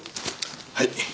はい。